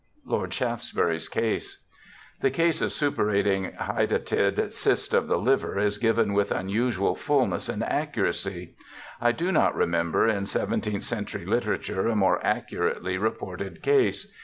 Lord Shaftesbury's case. — The case of suppurating hydatid cyst of the liver is given with unusual fullness and accuracy. I do not remember in seventeenth century literature a more accurately reported case.